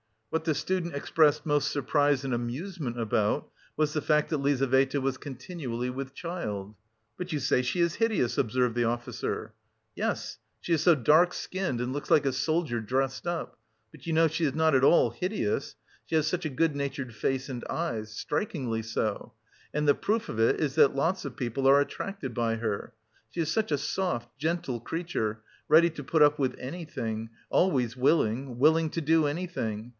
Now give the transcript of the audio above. What the student expressed most surprise and amusement about was the fact that Lizaveta was continually with child. "But you say she is hideous?" observed the officer. "Yes, she is so dark skinned and looks like a soldier dressed up, but you know she is not at all hideous. She has such a good natured face and eyes. Strikingly so. And the proof of it is that lots of people are attracted by her. She is such a soft, gentle creature, ready to put up with anything, always willing, willing to do anything.